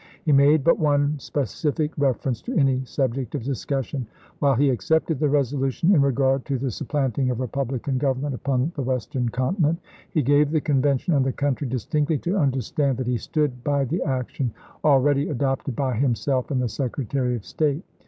He made but one spe cific reference to any subject of discussion. While he accepted the resolution in regard to the sup planting of republican government upon the West 78 ABRAHAM LINCOLN chap. in. ern continent, he gave the Convention and the country distinctly to understand that he stood by the action already adopted by himself and the Secretary of State.